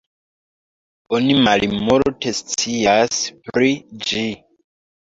Oni malmulte scias pri ĝi.